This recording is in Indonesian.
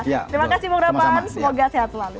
terima kasih bung raffan semoga sehat selalu